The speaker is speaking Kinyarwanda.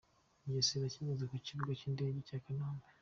Mugesera akigezwa ku kibuga cy’indege cya Kanombe